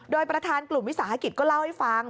โดยประธานกลุ่มวิสาหกิจก็เล่าให้ฟัง